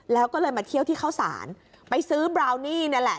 แล้วก็เลยมาเที่ยวที่เข้าสารไปซื้อบราวนี่นี่แหละ